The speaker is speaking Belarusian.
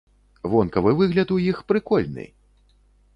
Вонкавы выгляд у іх прыкольны!